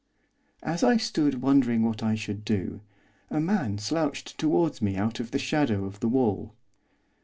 As I stood wondering what I should do, a man slouched towards me out of the shadow of the wall.